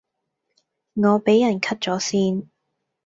我俾人 cut 左線